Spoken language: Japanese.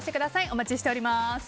お待ちしております。